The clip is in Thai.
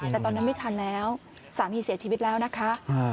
แต่ตอนนั้นไม่ทันแล้วสามีเสียชีวิตแล้วนะคะ